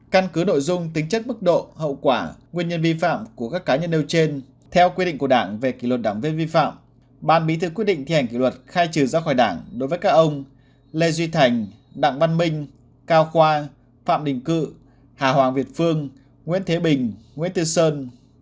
căn cứ nội dung tính chất mức độ hậu quả nguyên nhân vi phạm của các cá nhân nêu trên theo quy định của đảng về kỷ luật đảng viên vi phạm ban bí thư quyết định thi hành kỷ luật khai trừ ra khỏi đảng đối với các ông lê duy thành đặng văn minh cao khoa phạm đình cự hà hoàng việt phương nguyễn thế bình nguyễn tư sơn